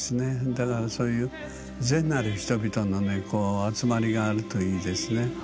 だからそういう善なる人々のね集まりがあるといいですね。